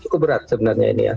cukup berat sebenarnya ini